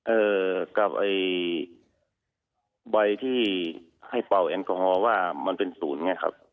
เอ่อกับไอ้ใบที่ให้เป่าแอลกอฮอล์ว่ามันเป็นศูนย์ไงครับ